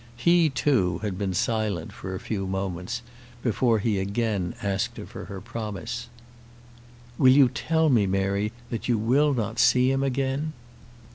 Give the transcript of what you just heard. He, too, had been silent for a few moments before he again asked her for her promise. "Will you tell me, Mary, that you will not see him again?"